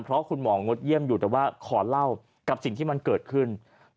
เพราะคุณหมองดเยี่ยมอยู่แต่ว่าขอเล่ากับสิ่งที่มันเกิดขึ้น